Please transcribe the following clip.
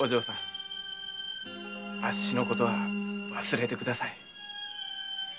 あっしのことは忘れてください。